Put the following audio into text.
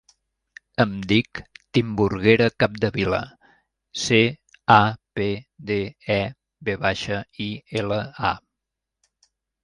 Em dic Timburguera Capdevila: ce, a, pe, de, e, ve baixa, i, ela, a.